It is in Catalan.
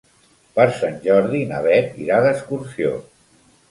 Per Sant Jordi na Beth irà d'excursió.